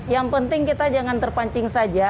yang penting kita jangan terpancing saja